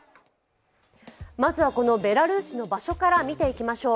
まずは、このベラルーシの場所から見ていきましょう。